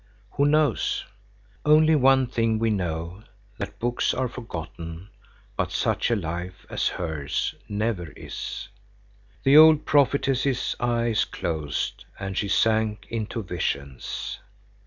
Who knows? Only one thing we know, that books are forgotten, but such a life as hers never is. The old prophetess's eyes closed and she sank into visions.